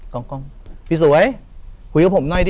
กล้องกล้องพี่สวยคุยกับผมหน่อยดิ